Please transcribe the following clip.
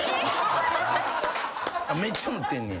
めっちゃ持ってんねや？